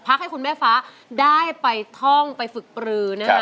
พักให้คุณแม่ฟ้าได้ไปท่องไปฝึกปลือ